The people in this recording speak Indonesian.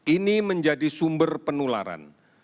ini menjadi sumber penularan